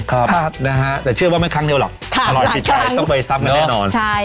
ครับนะฮะแต่เชื่อว่าไม่ครั้งเดียวหรอกอร่อยติดใจต้องไปซับกันแน่นอนใช่